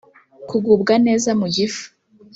Kugubwa neza mu gifu